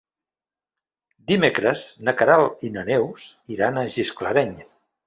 Dimecres na Queralt i na Neus iran a Gisclareny.